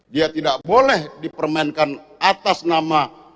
dia tidak boleh dipermainkan atas nama